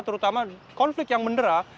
terutama konflik yang menera